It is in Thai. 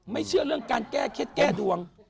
เชื่อเรื่องการแก้เคล็ดแก้ดวง